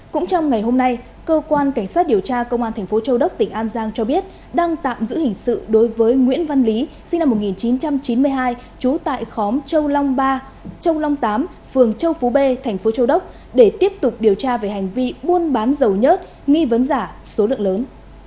cũng trong ngày hôm nay cơ quan cảnh sát điều tra công an thành phố châu đốc tỉnh an giang cho biết đang tạm giữ hình sự đối với nguyễn văn lý sinh năm một nghìn chín trăm chín mươi hai trú tại khóm châu long ba châu long tám phường châu phú b thành phố châu đốc để tiếp tục điều tra về hành vi buôn bán dầu nhớt nghi vấn giả số lượng lớn